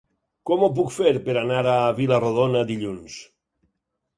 Com ho puc fer per anar a Vila-rodona dilluns?